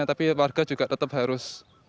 tapi warga juga tetap harus